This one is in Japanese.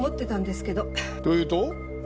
というと？